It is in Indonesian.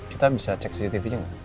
kita bisa cek cctvnya gak